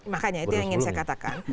makanya itu yang ingin saya katakan